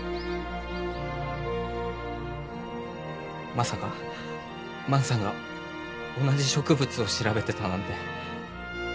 まさか万さんが同じ植物を調べてたなんて。